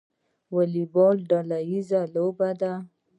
والیبال ډله ییزه لوبه ده